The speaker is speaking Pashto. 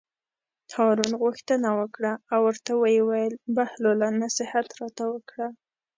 هارون غوښتنه وکړه او ورته ویې ویل: بهلوله نصیحت راته وکړه.